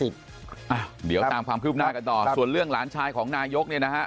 เดี๋ยวตามความคืบหน้ากันต่อส่วนเรื่องหลานชายของนายกเนี่ยนะฮะ